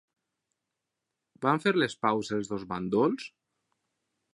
Van fer les paus els dos bàndols?